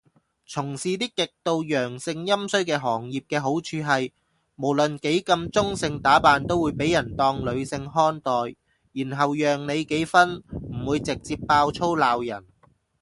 從事啲極度陽盛陰衰嘅行業嘅好處係，無論幾咁中性打扮都會被人當女性看待，然後讓你幾分唔會直接爆粗鬧人